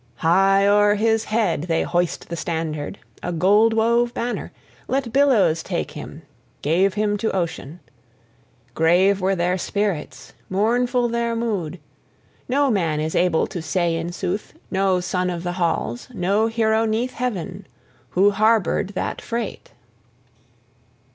High o'er his head they hoist the standard, a gold wove banner; let billows take him, gave him to ocean. Grave were their spirits, mournful their mood. No man is able to say in sooth, no son of the halls, no hero 'neath heaven, who harbored that freight!